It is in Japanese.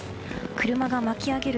車が巻き上げる